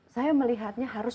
saya melihatnya harus